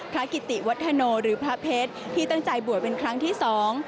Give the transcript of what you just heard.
กิติวัฒโนหรือพระเพชรที่ตั้งใจบวชเป็นครั้งที่สอง